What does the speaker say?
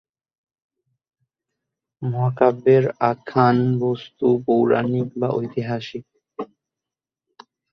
মহাকাব্যের আখ্যান-বস্তু পৌরাণিক বা ঐতিহাসিক।